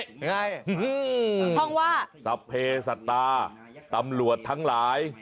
ยังไงท่องว่าสัพเพศัตตาตำรวจทั้งหลาย